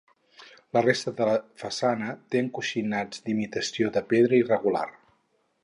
La resta de la façana té encoixinats d'imitació de pedra irregular.